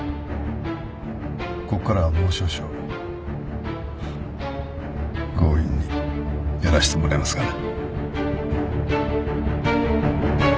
ここからはもう少々強引にやらせてもらいますがね。